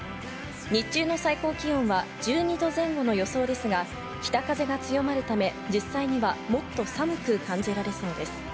日中の最高気温は、１２度前後の予想ですが、北風が強まるため、実際にはもっと寒く感じられそうです。